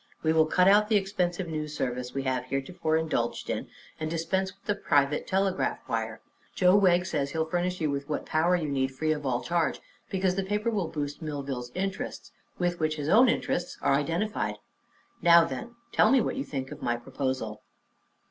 We will cut out the expensive news service we have heretofore indulged in and dispense with the private telegraph wire. Joe Wegg says he'll furnish you with what power you need free of all charge, because the paper will boost Millville's interests, with which his own interests are identified. Now, then, tell me what you think of my proposal."